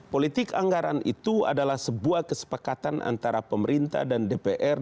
politik anggaran itu adalah sebuah kesepakatan antara pemerintah dan dpr